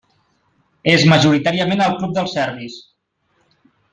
És majoritàriament el club dels serbis.